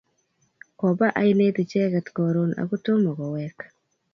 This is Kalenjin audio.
Kopa ainet icheket koron ako tomo kowek